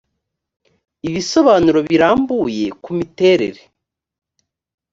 ibisobanuro birambuye ku miterere